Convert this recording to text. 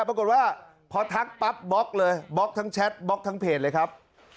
ปรากฏว่าพอทักปั๊บบล็อกเลยบล็อกทั้งแชทบล็อกทั้งเพจเลยครับ